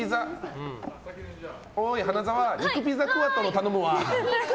おーい、花澤肉ピザクワトロ頼むわ。